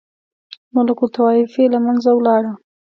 ملوک الطوایفي له منځه ولاړه.